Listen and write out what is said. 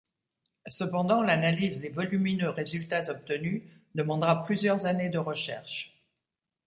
Cependant l'analyse des volumineux résultats obtenus demandera plusieurs années de recherche.